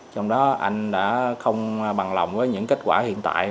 trong đó anh đã không bằng lòng với những kết quả hiện tại